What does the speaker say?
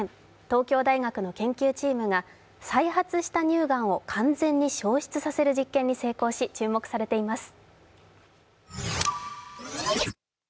東京大学の研究チームが再発した乳がんを完全に消失させる実験に成功し注目されています。